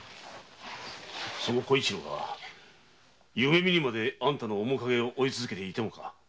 その小一郎が夢見にまであんたの面影を追い続けていてもか？